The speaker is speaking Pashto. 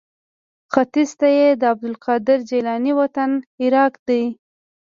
ختیځ ته یې د عبدالقادر جیلاني وطن عراق دی.